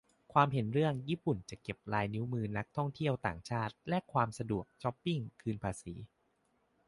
ความเห็นเรื่อง ญี่ปุ่นจะเก็บลายนิ้วมือนักท่องเที่ยวต่างชาติ แลกความสะดวก ช็อปปิ้ง คืนภาษี